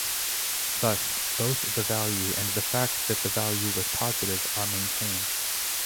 Thus, both the value and the fact that the value was positive are maintained.